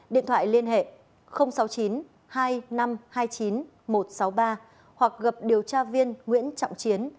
điện thoại liên hệ sáu mươi chín hai nghìn năm trăm hai mươi chín một trăm sáu mươi ba hoặc gặp điều tra viên nguyễn trọng chiến